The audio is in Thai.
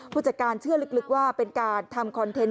ผู้จัดการเชื่อลึกว่าเป็นการทำคอนเทนต์